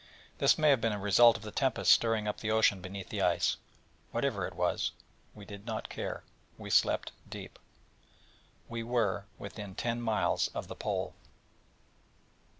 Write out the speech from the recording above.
This may have been a result of the tempest stirring up the ocean beneath the ice. Whatever it was, we did not care: we slept deep. We were within ten miles of the Pole.